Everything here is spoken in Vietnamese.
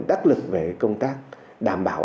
đắc lực về công tác đảm bảo